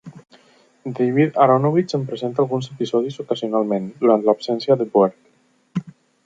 David Aaronovitch en presenta alguns episodis ocasionalment, durant l'absència de Buerk.